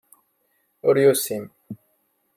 Ur yusim.